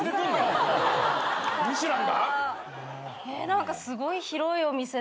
何かすごい広いお店だよね。